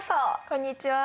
こんにちは。